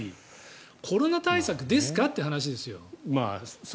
コロナ対策ですか？っていう話ですよ。